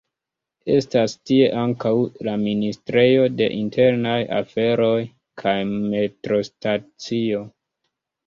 Estas tie ankaŭ la Ministrejo de Internaj Aferoj kaj metrostacio.